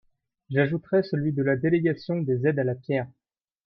J’ajouterai celui de la délégation des aides à la pierre.